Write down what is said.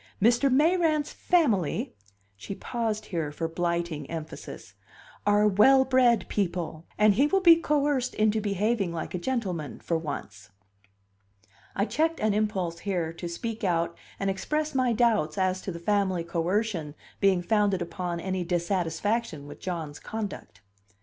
Mr. Mayrant's family" (she paused here for blighting emphasis) "are well bred people, and he will be coerced into behaving like a gentleman for once." I checked an impulse here to speak out and express my doubts as to the family coercion being founded upon any dissatisfaction with John's conduct.